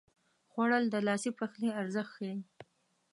خوړل د لاسي پخلي ارزښت ښيي